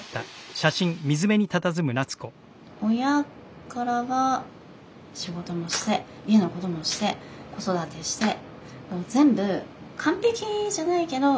親からは仕事もして家のこともして子育てして全部完璧じゃないけどきちんとしなさいっていう。